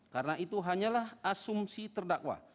karena itu hanyalah asumsi terdakwa